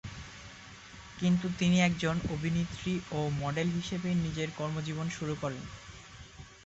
কিন্তু তিনি একজন অভিনেত্রী ও মডেল হিসেবেই নিজের কর্মজীবন শুরু করেন।